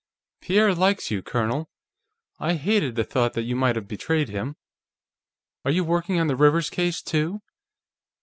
"Pierre likes you, Colonel. I hated the thought that you might have betrayed him. Are you working on the Rivers case, too?"